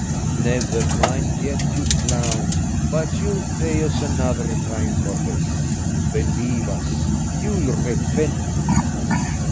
Never mind yet, you clown, but you'll pay us another time for this. Believe us, you'll repent it."